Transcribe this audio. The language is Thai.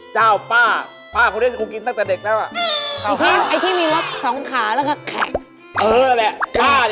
น้ำแข็งใสไปเลี้ยงเพื่อนกัน